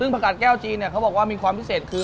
กุ้งผักกาดแก้วจีนเนี่ยเค้าบอกว่ามีความพิเศษคือ